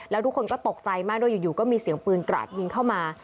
แล้วทุกคนก็ตกใจมากด้วยอยู่ก็มีเสียงปืนกราดยิงเข้ามา